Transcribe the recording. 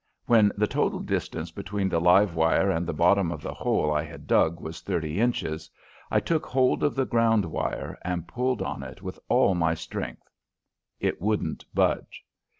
When the total distance between the live wire and the bottom of the hole I had dug was thirty inches I took hold of the ground wire and pulled on it with all my strength. It wouldn't budge.